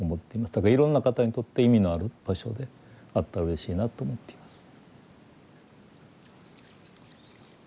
いろんな方にとって意味のある場所であったらうれしいなと思っています。